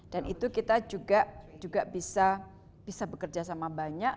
dan itu kita juga bisa bekerjasama banyak